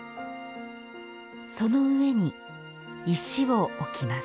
その上に石を置きます。